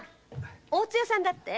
大津屋さんだって？